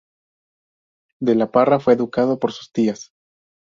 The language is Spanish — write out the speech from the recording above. De la Parra fue educado por sus tías.